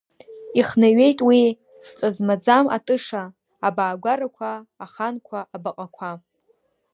Ихнаҩеит уи, ҵа змаӡам атыша, абаагәарақәа, аханқәа, абаҟақәа.